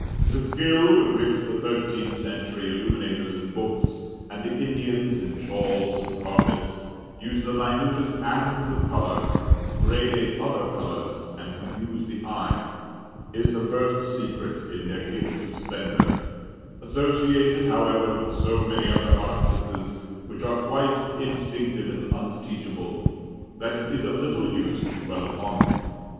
The skill with which the thirteenth century illuminators in books, and the Indians in shawls and carpets, use the minutest atoms of colour to gradate other colours, and confuse the eye, is the first secret in their gift of splendour: associated, however, with so many other artifices which are quite instinctive and unteachable, that it is of little use to dwell upon them.